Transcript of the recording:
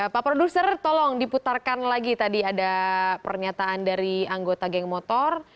pak produser tolong diputarkan lagi tadi ada pernyataan dari anggota geng motor